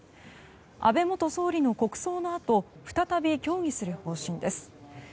安倍元総理の国葬のあと再び協議する方針です。